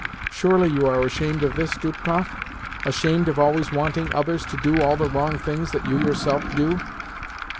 Surely you are ashamed of this, Dubkoff? ashamed of always wanting others to do all the wrong things that you yourself do?"